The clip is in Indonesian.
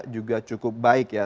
juga cukup baik ya